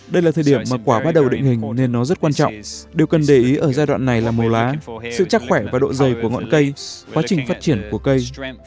đây là thời điểm mà quả bắt đầu định hình nên nó rất quan trọng điều cần để ý ở giai đoạn này là màu lá sự chắc khỏe và độ dày của ngọn cây quá trình phát triển của cây